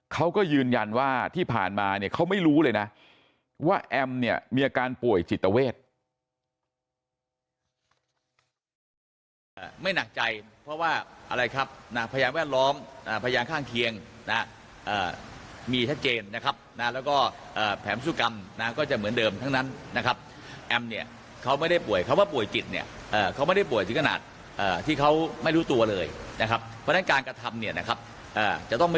เขาก็ยืนยันว่าที่ผ่านมาเนี่ยเขาไม่รู้เลยนะว่าแอมเนี่ยมีอาการป่วยจิตเวท